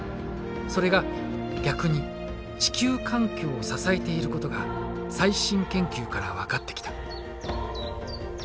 それが逆に地球環境を支えていることが最新研究から分かってきた。